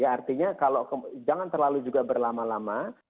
artinya kalau jangan terlalu juga berlama lama